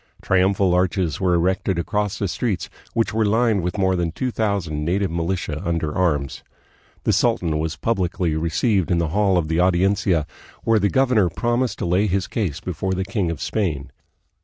Triumphal arches were erected across the streets, which were lined with more than two thousand native militia under arms. The sultan was publicly re ceived in the hall of the Audiencia, where the governor promised to lay his case before the king of Spain.